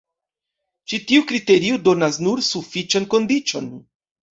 Ĉi tiu kriterio donas nur sufiĉan kondiĉon.